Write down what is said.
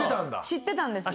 知ってたんです。